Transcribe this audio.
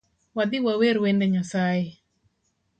Wadhi wawer wende Nyasaye